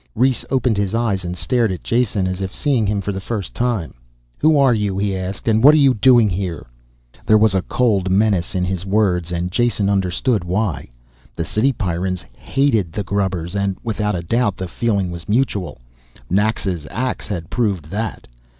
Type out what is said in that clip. Rhes opened his eyes and stared at Jason, as if seeing him for the first time. "Who are you?" he asked. "And what are you doing here?" There was a cold menace in his words and Jason understood why. The city Pyrrans hated the "grubbers" and, without a doubt, the feeling was mutual. Naxa's ax had proved that.